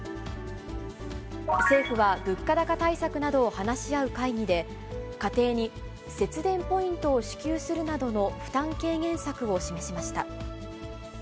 政府は、物価高対策などを話し合う会議で、家庭に節電ポイントを支給するなどの負担軽減策を示しました。